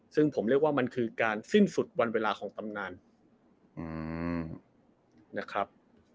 ซึ่งผมเรียกว่ามันคือการสิ้นสุดวันเวลาของตำนานนะครับ